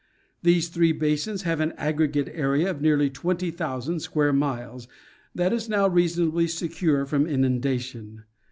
These three basins have an aggregate area of nearly twenty thousand square miles that is now reasonably secure from inundation.